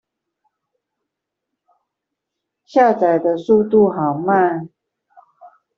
下載的速度好慢